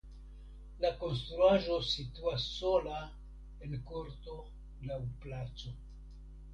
La konstruaĵo situas sola en korto laŭ placo.